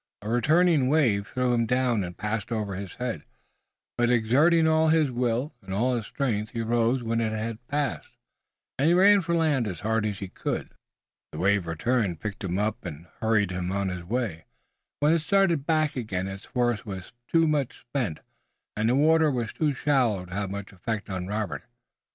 A returning wave threw him down and passed over his head, but exerting all his will, and all his strength he rose when it had passed, and ran for the land as hard as he could. The wave returned, picked him up, and hurried him on his way. When it started back again its force was too much spent and the water was too shallow to have much effect on Robert.